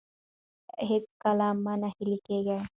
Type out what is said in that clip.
هېڅکله مه ناهیلي کیږئ.